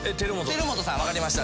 輝基さんわかりました。